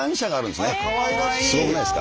すごくないですか？